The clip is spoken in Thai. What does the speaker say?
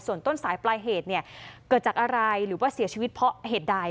ส่วนต้นสายปลายเหตุเนี่ยเกิดจากอะไรหรือว่าเสียชีวิตเพราะเหตุใด